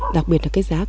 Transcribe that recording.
đặc biệt là cấy giống lúa